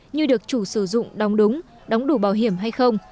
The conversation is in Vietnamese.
như được chủ sử dụng đóng đúng đóng đủ bảo hiểm hay không